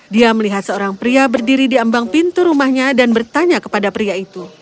dia melihat seorang pria berdiri di ambang pintu rumahnya dan bertanya kepada pria itu